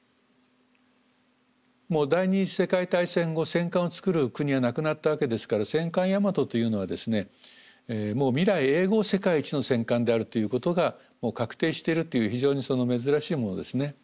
もう第２次世界大戦後戦艦を造る国はなくなったわけですから戦艦大和というのはですねもう未来永劫世界一の戦艦であるということが確定してるという非常に珍しいものですね。